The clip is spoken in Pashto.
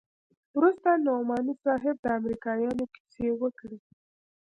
وروسته نعماني صاحب د امريکايانو کيسې وکړې.